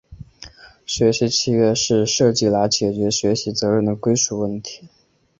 学习契约是设计来解决学习责任的归属问题。